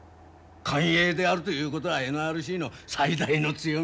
官営であるということはＮＲＣの最大の強みだ。